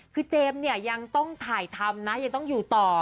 คือเจมส์เนี่ยยังต้องถ่ายทำนะยังต้องอยู่ต่อ